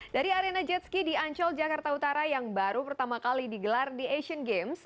dari arena jetski di ancol jakarta utara yang baru pertama kali digelar di asian games